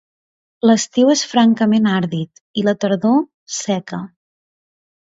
L'estiu és francament àrid, i la tardor, seca.